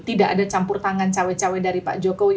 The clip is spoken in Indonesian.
tidak ada campur tangan cawe cawe dari pak jokowi